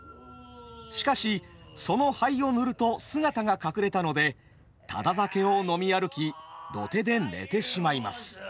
しかしその灰を塗ると姿が隠れたのでタダ酒を飲み歩き土手で寝てしまいます。